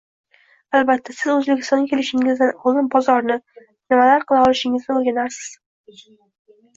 Albatta, siz Oʻzbekistonga kelishingizdan oldin bozorni, nimalar qila olishingizni oʻrgangansiz.